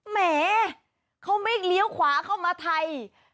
แหมเขาไม่เลี้ยวขวาเข้ามาไทย